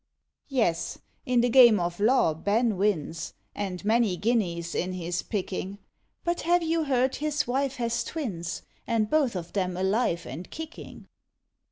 Yes in the game of law BEN wins, And many guineas in he's picking, But have you heard his wife has twins, And both of them alive and kicking?